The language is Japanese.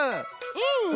うん！